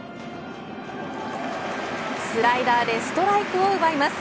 スライダーでストライクを奪います。